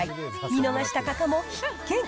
見逃した方も必見。